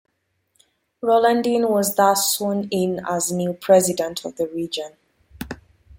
Rollandin was thus sworn in as new President of the Region.